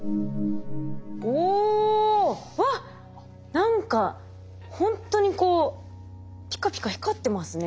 何かほんとにこうピカピカ光ってますね。